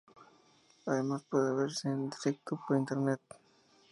Además, puede verse en directo por internet.